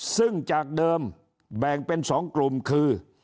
ซึ่งจากเดิมแบ่งเป็น๒กลุ่มคือ